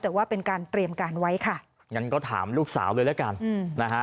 แต่ว่าเป็นการเตรียมการไว้ค่ะงั้นก็ถามลูกสาวเลยแล้วกันอืมนะฮะ